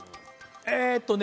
えっとね